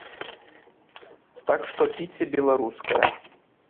Так што піце беларускае.